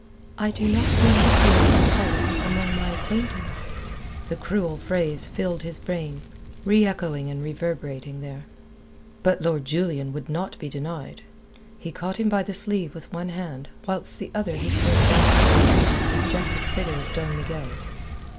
"I do not number thieves and pirates among my acquaintance." The cruel phrase filled his brain, reechoing and reverberating there. But Lord Julian would not be denied. He caught him by the sleeve with one hand, whilst with the other he pointed after the retreating, dejected figure of Don Miguel.